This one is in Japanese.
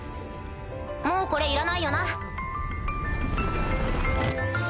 もうこれいらないよな。